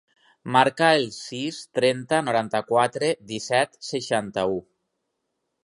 Marca el sis, trenta, noranta-quatre, disset, seixanta-u.